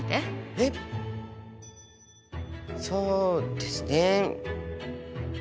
えっそうですね。